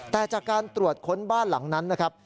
แต่จากการตรวจค้นบ้านหลังนั้นนะครับ